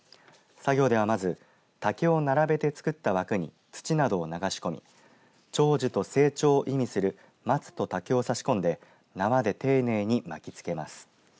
作業では、まず竹を並べてつくった枠に土などを流し込み長寿と成長を意味する松と竹を差し込んで縄で丁寧に巻きつけます。